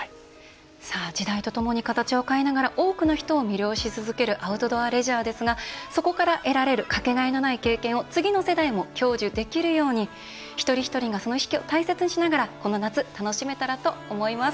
時代とともに形を変えながら多くの人を魅了し続けるアウトドアレジャーですがそこから得られるかけがえのない経験を次の世代も享受できるように一人一人がその意識を大切にしながらこの夏、楽しめたらと思います。